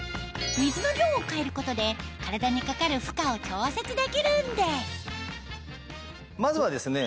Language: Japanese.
水の量を変えることで体にかかる負荷を調節できるんですまずはですね